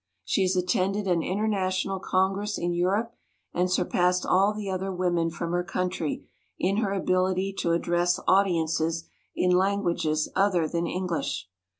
She has attended an international congress in Europe and surpassed all the other women from her country in her ability to address audiences in languages other than English.